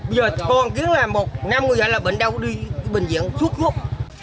bây giờ còn kiếm là một năm người dạy là bệnh đâu đi bệnh viện suốt lúc